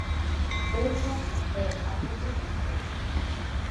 Esa é a foto fixa.